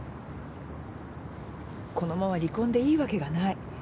このまま離婚でいいわけがない。